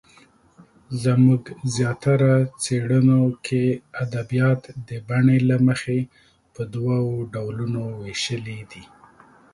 زموږ زیاتره څېړنو کې ادبیات د بڼې له مخې په دوو ډولونو وېشلې دي.